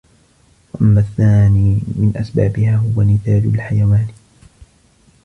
وَأَمَّا الثَّانِي مِنْ أَسْبَابِهَا وَهُوَ نِتَاجُ الْحَيَوَانِ